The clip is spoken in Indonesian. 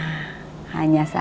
nah hanya saja